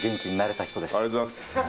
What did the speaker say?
ありがとうございます。